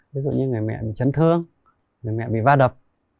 ví dụ như người mẹ bị chấn thương người mẹ bị va đập